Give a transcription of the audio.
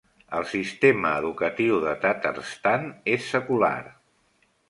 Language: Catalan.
El sistema educatiu de Tatarstan és secular.